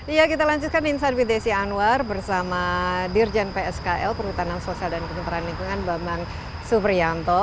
iya kita lanjutkan di insan videsi anwar bersama dirjen pskl perhutanan sosial dan kesejahteraan lingkungan bambang suprianto